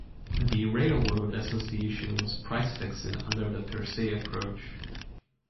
The railroad association was price fixing under the per se approach.